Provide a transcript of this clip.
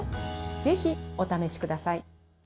ぜひお試しください。